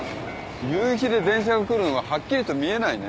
夕日で電車が来るのがはっきりと見えないね。